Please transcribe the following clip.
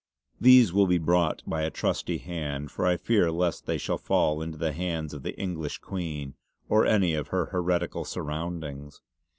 "These will be brought by a trusty hand, for I fear lest they shall fall into the hands of the English Queene, or any of her hereticall surroundings.